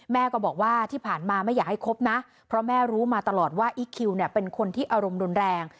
แม่ก็บอกว่าที่ผ่านมาไม่อยากให้คบนะเพราะแม่รู้มาตลอดว่าอีคคิวเนี่ยเป็นคนที่อารมณ์รุนแรง